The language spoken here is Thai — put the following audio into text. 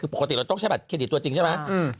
คือปกติเราต้องใช้บัตรเครดิตตัวจริงใช่ไหม